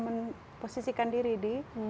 menyimposkan diri di